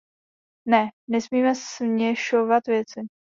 Ne, nesmíme směšovat věci.